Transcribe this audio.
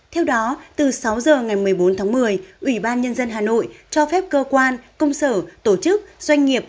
theo đó từ sáu h ngày một mươi bốn tháng một mươi ủy ban nhân dân hà nội cho phép cơ quan công sở tổ chức doanh nghiệp